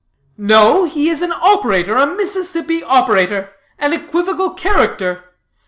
"No, he is an operator, a Mississippi operator; an equivocal character.